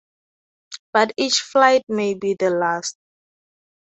But each flight may be the last.